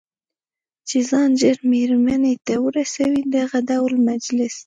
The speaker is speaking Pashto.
چې ځان ژر مېرمنې ته ورسوي، دغه ډول مجلس.